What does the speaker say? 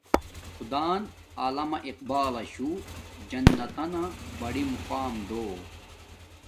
خدان علامہ اقبالشو جنتانہ بڑی مقام دو